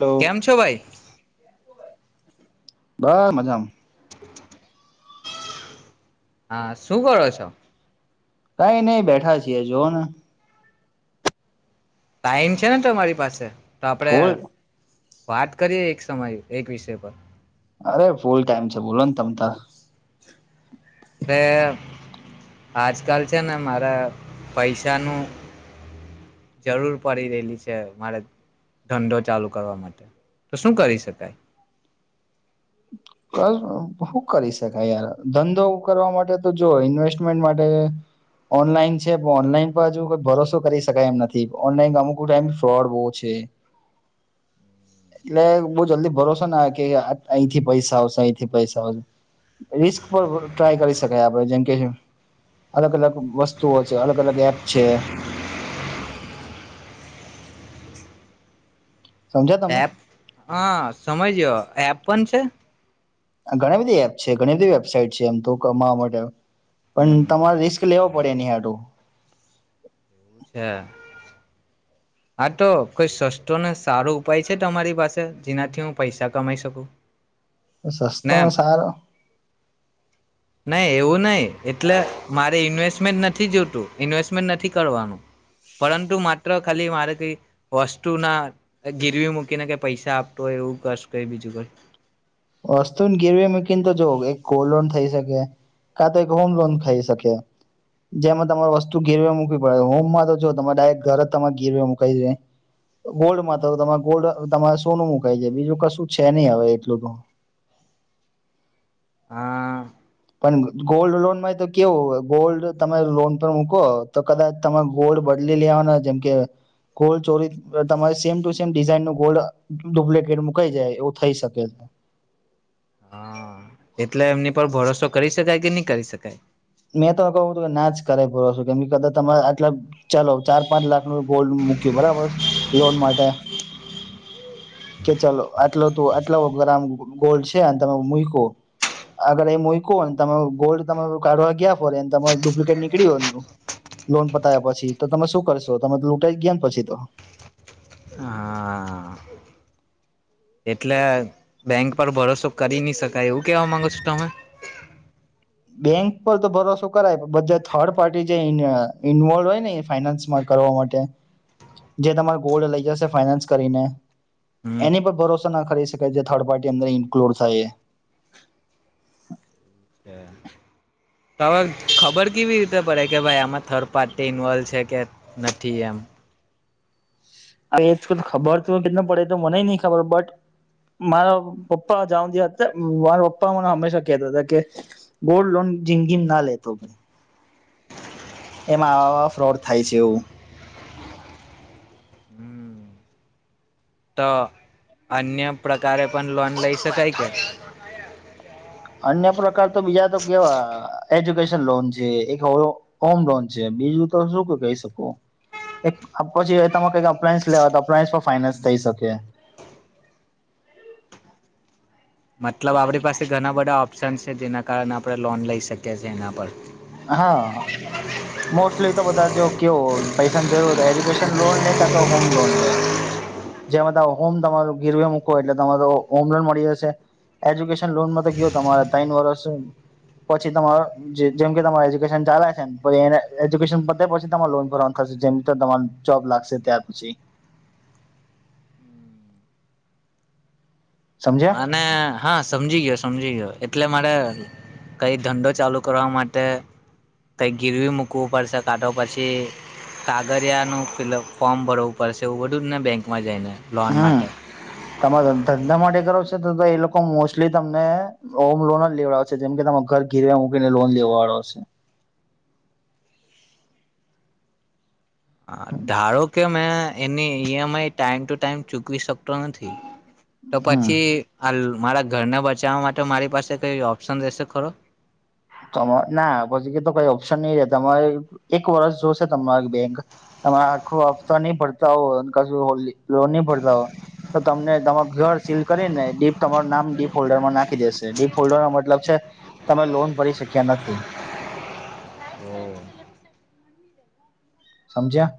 Hello કેમ છો ભાઈ? બ મજામાં. હા શું કરો છો? કઈ નઈ બેઠા છીએ જોઓ ને. ટાઈમ છે ને તમારી પાસે? તો આપણેે ફૂલ વાત કરીએ એક સમય એક વિષય પર અરે ફૂલ ટાઈમ છે બોલો ને તમ તો અ આજકાલ છે ને મારે પૈસાનું જરૂર પડી રહેલી છે મારે ધંધો ચાલુ કરવા માટે તો શું કરી શકાય? શું કરી શકાય યાર ધંધો કરવા માટે તો જો ઇન્વેસ્ટમેન્ટ માટે ઓનલાઈન છે પણ ઓનલાઈન પર હજુઈ ભરોસો કરી શકાય એમ નથી ઓનલાઈન અમુક ટાઈમ ફ્રોડ બહુ છે એટલે બહ જલ્દી ભરોસો ના કે અહીંથી પૈસા હીથી પૈસા રિસ્ ટ્રાય કરી શકાય આપે જેમ કે અલગ અલગ વસ્તુઓ છે અલગ અલગ એપ છે. સમજ્યા તમે એ હ સમજ્યો. એપ પણ છે. ઘણી બધી એપ છે ઘણી બધી વેબસાાઈટ છે એમ તો કમાવા માટે પણ તમારે રિસ્ક લેવો પડે નહ આટું. એવું છે, આ તો કોઈ સસ્તો ને સારો ઉપાય છે તમારી પાસે જેનાથી હું પૈસા કમાઈ શકું? સસ્તો ને સારો. નહી એવું નહી. એટલે મારે ઇન્વેસ્ટ નથી જોતું ઇન્વેસ્ટમેન્ટ નથી કરવાનું, પરંતુ માત્ર ખાલી મારે કઈ વસ્તુ ના ગીરવી મૂકીનેઈ પૈસા આપતો હોય એવું કશ ક બીજું કઈ. વસ્તુને ગીરવી મૂકીને તો જો એક ગોલ્ડ લોન થઈ શકે, કા તો એક હોમ લોન ખઈ શકે, જેમાં તમારે વસ્તુ ગેરવે મૂકી પડે હોમમાં તો જોરે ડાયરેક્ટ ઘરે જરે ગીરવે મુકાય છે ગોલ્ડમાં તો ગોલ્ડ તમારે શું નું મુકાય છેાય બીજું કશું છે નહી હવે એટલું તો. હા પણ ગોલ્ડ લોનમાં તો કેવું ગોલ્ડ તમે લોન પર મૂકો તો કદાચ તમે ગોલ્ડ બદલી લેવાના જેમ કે, ગોલ્ડ ચોરી તમારે સેમ ટુ સેમ ડિઝઇન નું ગોલ્ડ ડુપ્લિકેટ મુકાઈ જાય એવું થઈ શકે છે. હા એટલે એમની પર ભરોસો કરી શકાય કે નહી કરી શકાય? મેં તો કહું કે ના જ કરે પૂરો છું કે કદાચ તમારે આટલા ચાલો ચાર પાંચ લાખ ન ગોલ્ડ મૂક બરાબર, લોન માટે. કે ચાલો આટલો ત આટલો ગરમ ગોલ્ડ છે તમે મકો, આગર એ મકોને તમે ગોલ્ડ તમે કાઢવા ગયા ફોને તમા ડુપ્લકેેટ નીકળી હો, લોન પતાવ્યા પછી તો તમે શું કરશો તમે લૂંટાઈ ગયા ને પછી તો. હા એટલે બેંક પર ભરોસો કરી નહી શકાય એવું કેવા માંગો છો તમે? બેંક પર તો ભરોસો કરાય બધા થર્ડ પાર્ટી જે ઇન્વોલ્વ હોય ને ફાઈનાન્સમાં કરવા માટે, જે તમારે ગોલ્ડ લઈ જશે ફાઈનાન્સ કરીને, હમ એની પર ભરોસો ના કરી શકે જે થર્ડ પાર્ટી અંદર ઇન્કલુડ થાય. તો હવે ખબર કેવી રીતે પડે કે ભાઈ આમાં થર્ડ પાર્ટી ઇન્વોલ્વ છે કે નથી એમ? એ ખબર કેટું પડે તો મને નહી ખબર બટ મારા પપ્પા જવા હતા મારા પપ્પા મને હંમેશા કેહેતો હતા કે, ગોલ્ડ લોન જિંદગી ના લેતો. એમાં આવાવા ફ્રોડ થાય છે એવું. હમ તો અન્ય પ્રકારે પણ લોન લઈ શકાય કે? અન્ય પ્રકાર તો બીજા તો કેવા એજ્યુકેશન લોન છે એક હોમ લોન છે બીજું તો શું કહી શકું, પછી ક અપ્લાયન્સ લેવા તો અપ્લાયન્સ ફાયનાન્સ થઈ શકે. મતલબ આપણી પાસે ઘણા બધા ઓપ્શન છે જેના કારણે આપણે લોન લઈ શકીએ છીએ એના પર. હા મોસ્ટલી તો બધા જો કેવો પૈસાની જરૂર હોય તો એજ્યુકેશન લોન લે કા તો હોમ લોન લે, જેમાં તારા હોમ તમાર ગીરવે મુકો એટલે તમારો હોમ લોન મળી જશે એજ્યુકેશન લોનમાં તો કેવું તમારે તન વર્ષ પછી તમારો જે જેમ કે તમારે એજ્યુકેશન ચાલે છે ને પછી એને એજ્યુકેશન પતે પછી તમારે લોન ભરવાનું થશે જેમ તો તમાર જોબ લાગશે ત્યાર પછી સમજ્યા અને હા સમજી ગયો, સમજી ગયો. એટલે મારે કંઈ ધંધો ચાલુ કરવા માટે કંઈ ગીરવી મૂકવું પડશે કાં તો પછી કાગળીયાનું ફિલઅપ ફોર્મ ભરવું પડશે એવું બધું જ ને બેંકમાં જઈને લોન હમ માટે તમે ધ ધંધા માટે કરો છો. શુ ધંધો એ લોકો મોસ્ટલી તમને હોમ લોન જ લેવડાવશે, જેમ કે તમે ઘર ગીરવે મૂકીને લોન લેવાડાવશે. અ ધારો કે મેં એની E M I time to time ચૂકવી શકતો નથી. તો હમ પછી આ લો મારા ઘરને બચાવવા માટે મારી પાસે કઈ ઓપ્શન રહેશે ખરો? હ મ ના પછી કે તો કઈ ઓપ્શન નહી રે તમારે એક વરસ જોશે તમારે બેંક, તમારે આખું હફતા નહી ભરતા હોય અને કશું લોન નહી ભરતા હો તો તમને તમાર ઘર સીલ કરી ને ડીપ તમારું નામ ડીપ ફોલ્ડર માં નાખી દેશે ડી ફોલ્ડર નો મતલબ છે. તમે લોન ભરી શક્યા નથી. સમજ્યા.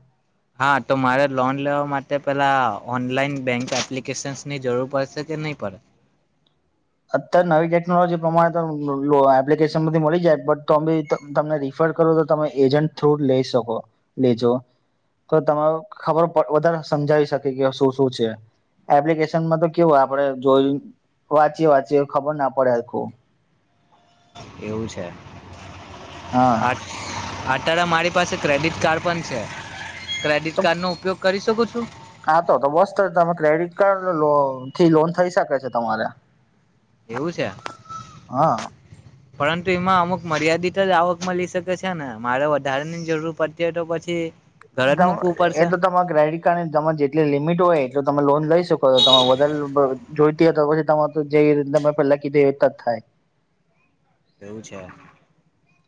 હા તો મારે લોન લેવા માટે પેલા ઓનલાઈન બેંક એપ્લિકેશન્સની જરૂર પડશે કે નહી પડે? અત્યારે નવી ટેકનોલોજી પ્રમાણે તો લો એપ્લિકેશન માંથી મળી જાય છ બટ તો બી ત તમને રીફર કરું તો તમે એજન્ટ થ્રુ જ લઈ શકો લેજો તો તમારે ખબર પ વધારે સમજાવી શકે કે શું શું છે એપ્લિકેશનમાં તો કેવું આપડે જોઇન વાત જે વાચ્યું હોય ખબર ના પડે હરખુ. એવું છે. આ હા અટારે મારી પાસે ક્રેડિટ કાર્ડ પણ છે. ક્રેડિટ તો કાર્ડનો ઉપયોગ કરી શકું છું હા તો તો બસ ત તમે ક્રેડિટ કાર્ડ લો થી લોન થઈ શકે છે તમારે એવું છે. હા પરંતુ એમાં અમુક મર્યાદિત જ આવક મલી શકે છે ને મારે વધારાની જરૂર પડતી હોય તો પછી ઘર જ મૂકવું ગણું એ પડશે તો તમારા ક્રેડિટ કાર્ડ ની તમારે જેટલી લિમિટ હોય એટલું તમે લોન લઈ શકો છો, તમારે વધારે લો જોઈતી તો પછી તમારે જેવી રીતના મેં પેલા કીધી એ રીતના જ થાય. એવું છે.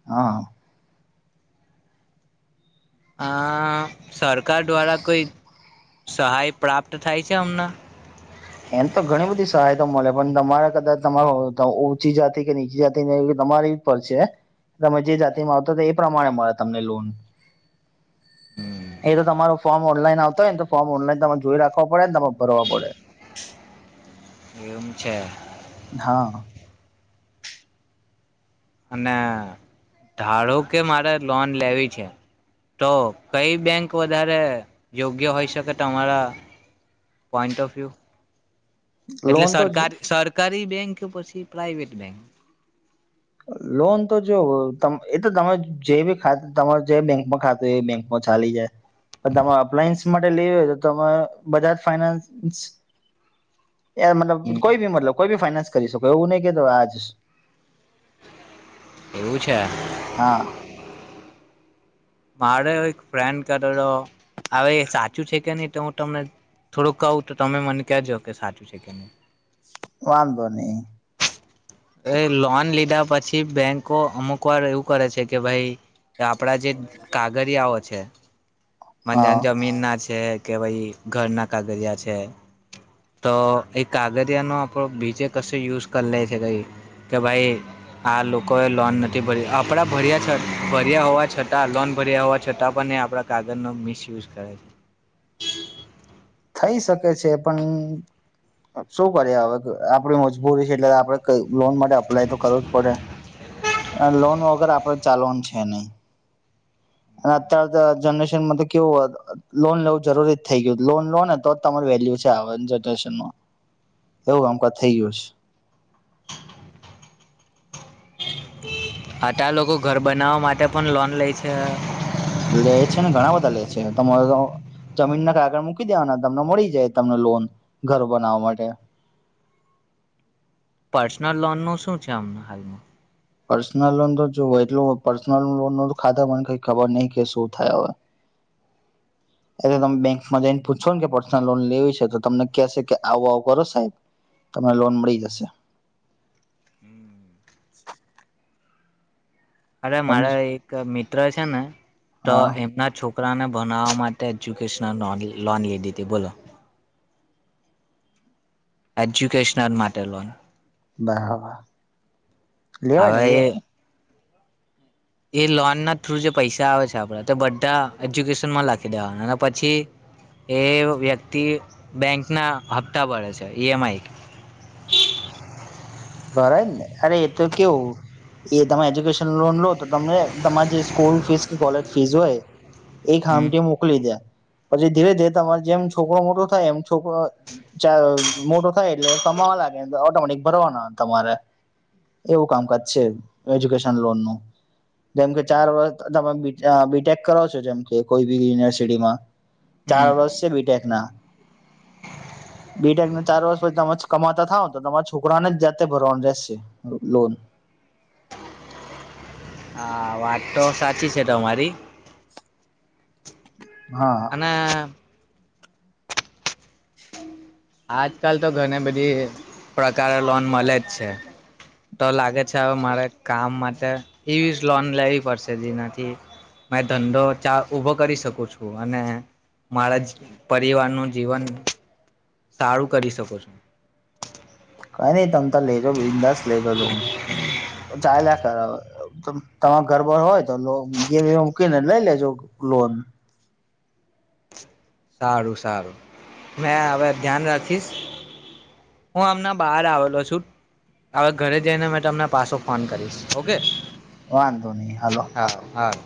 હા. આ સરકાર દ્વારા કોઈ સહાય પ્રાપ્ત થાય છે અમને એમ તો ઘણી બધી સહાયતા મળે પણ તમારે કદાચ તમારું ત ઉચી જાતિ કે નીચી જાતિ ને એવું તમારી ઉપર છે તમે જે જાતિ માં આવતા તા એ પ્રમાણે મળે તમને લોન. એ તો તમારો ફોર્મ ઓનલાઈન આવતા હોયને તો ફોમ ઓનલાઈન તમાર જોઈ રાખવા પડે ને તમારે ભરવા પડે. કેમ છે? હા અને ધારો કે મારે લોન લેવી છે તો કઈ બેંક વધારે યોગ્ય હોઈ શકે તમારા પોઈન્ટ ઓફ વ્યુ. એટલે લોન તો સરકારી-સરકારી બેંક કે પછી પ્રાઇવેટ બેંક લોન તો જ એ તો તમે જે બી ખાતું તમાર જે બેંકમાં ખાતું હોય એ બેંકમાં ચાલી જાય પણ તમારે અપ્લાયન્સ માટે લેવી હોય તો તમે બજાજ ફાઈનાન્સ એ મતલબ કોઈ બી મતલબ કોઈ બી ફાઈનાન્સ કરી શકો એવું નહી કે તો આજ એવું છે હા મારે એક ફ્રેન્ડ કરતો હતો હવે સાચું છે કે નહી તો હું તમને થોડુંક કહું તો તમે મને કહેજો કે સાચું છે કે નહી વાંધો નહી એ લોન લીધા પછી બેંકો અમુક વાર એવું કરે છે કે ભાઈ આપડા જે કાગડીયાઓ છે બજા હા જમીન ના છે જે કે ભાઈ ઘરના કાગડિયા છે તો એ કાગડિયાનો આપણો બીજે કશ યુઝ કરી લે છે કઈ કે ભાઈ આ લોકો એ લોન નથી ભર્યું આપડા ભર્યા છે ભર્યા હોવા છતાં છતાં લોન ભર્યા હોવા છતાં પણ એ આપણા કાગજ નો મિસયુઝ કરે છે થઈ શકે છે પણ શું કરીએ હવે આપણી મજબૂરી છે એટલે આપડે લોન માટે અપ્લાય તો કરવું જ પડે લોન વગેર આપડ ચાલવાનું છે નહી અને અત્યારે જનરેશનમાં તો કેવું લોન લેવું જરૂરી જ થઇ ગયું લોન લો ને તો જ તમાર વેલ્યુ છે આ જનરેશનમાં એવું આમક થઈ ગયું છે આટલા લોકો ઘર બનાવવા માટે પણ લોન લે છે લે છે ને ઘણા બધા લે છે તમારે જમીનના કાગળ મૂકી દેવાના તમને મળી જાય તમને લોન ઘર બનાવવા માટે પર્સનલ લોન ન શું છે હમણા હાલમાં પર્સનલ લોન તો જોય એટલ પર્સનલ લોન ન ખાતા મને કઈ ખબર નહ કે શું થાય હવે એટલે તમે બેંકમાં જઈને પૂછો ને કે પર્સનલ લોન લેવી છે તો તમને કેશે કે આવું આવું કરો સાહેબ તમને લોન મળી જશે હમ [inaudible] અરે સમજ મારે એક મ મિત્ર એ છેને તો હા એમના છોકરા છોકરાને ભણવા માટે એજ્યુકેશનલ લોન લીધી હતી બોલો એજ્યુકેશનલ માટે લોન બરાબર લેવાય ને હવે એ લેવા એ લોન ના થ્રુ જે પૈસા આવે છે આપણે તે બધા એજ્યુકેશનમાં લખી દેવાના અને પછી એ વ્યક્તિ બેંક ના હપ્તા ભરે છે ઈએમઆઈ [inaudible] રા ને અરે એ તો કેવું એ તમે એજ્યુકેશન લોન લો તો તમને તમારી જે સ્કૂલ ફીસ કે કોલેજ ફીસ હોય એક હમ હામટી મોકલી દે પછી ધીરે ધીરે તમારે જેમ છોકરો મોટો થાય એમ છોકરો મોટો થાય એટલે કમાવા લાગે ઓટોમેટિક ભરવાનો તમારે એવું કામકાજ છે એજ્યુકેશન લોન નું જેમ કે ચાર વર્ષ તમામે બી બીટેક કરાવો છો જેમ કે કોઈ બી યુનિવર્સિટીમાં ચાર હમ વર્ષ છે બીટેક ના બીટેક ના ચાર વર્ષ પછી તમે કમાતા થાવ તો તમારા છોકરાને જ ભરવાનું રહેશે લો લોન હા વાત તો સાચી છે તમારી હા અને આજકાલ તો ઘણી બધી પ્રકારે લોન મળે જ છે તો લાગે છે હવે મારે કામ માટે એવી લોન લેવી પડશે જેનાથી મેં ધંધો ઉઊભો કરી શકું છું અને મારા પરિવારનું જીવન સારું કરી શકો છો કઈ નહી તમ લેજો બિંદાસ લેજો લોન પર ચાર લાખ બરાબર ત તમારો ઘરબર હોય તો લોન ઘેર મૂકીને લઈ લેજો લોન સારું સારું મે હવે ધ્યાન રાખીશ હું આમના બહાર આવેલો છું હવે ઘરે જઈને મે તમને પાછો ફોન કરીશ ઓકે વાંધો નહી હાલો હારું હારું